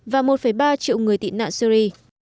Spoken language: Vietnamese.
và một ba triệu người tị nạn syria